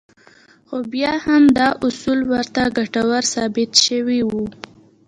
خو بيا هم دا اصول ورته ګټور ثابت شوي وو.